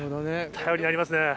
頼りになりますね。